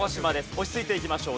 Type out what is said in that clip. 落ち着いていきましょう。